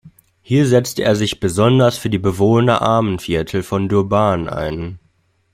Hier setzte er sich besonders für die Bewohner Armenviertel von Durban ein.